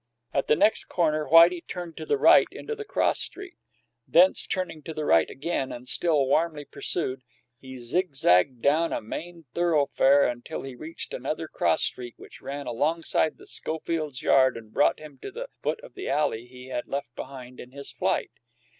At the next corner Whitey turned to the right into the cross street; thence, turning to the right again and still warmly pursued, he zigzagged down a main thoroughfare until he reached another cross street, which ran alongside the Schofields' yard and brought him to the foot of the alley he had left behind in his flight.